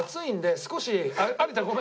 少し有田ごめん。